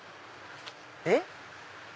えっ？